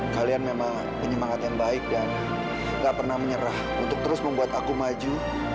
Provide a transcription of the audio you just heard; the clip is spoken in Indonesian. kalian memang penyemangat yang baik dan gak pernah menyerah untuk terus membuat aku maju